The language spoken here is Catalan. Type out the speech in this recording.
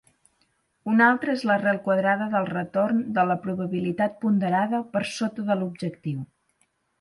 Una altra és l'arrel quadrada del retorn de la probabilitat-ponderada per sota de l'objectiu.